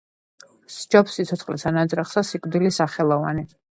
სჯობს სიცოცხლესა ნაძრახსა სიკვდილი სახელოვანი.